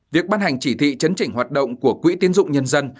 việc ban hành chỉ thị chấn chỉnh hoạt động của quỹ tiến dụng nhân dân